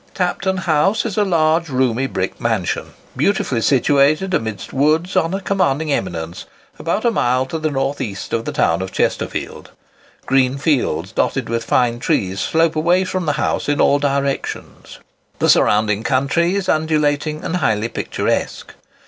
Tapton House is a large roomy brick mansion, beautifully situated amidst woods, upon a commanding eminence, about a mile to the north east of the town of Chesterfield. Green fields dotted with fine trees slope away from the house in all directions. The surrounding country is undulating and highly picturesque.